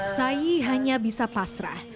sayi hanya bisa pasrah